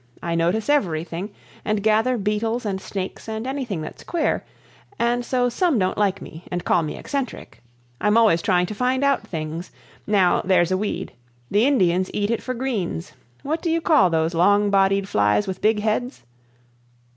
I notice everything, and gather beetles and snakes and anything that's queer; and so some don't like me, and call me eccentric. I'm always trying to find out things. Now, there's a weed; the Indians eat it for greens. What do you call those long bodied flies with big heads?"